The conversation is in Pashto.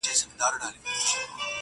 څوک یې درې څوک یې څلور ځله لوستلي!!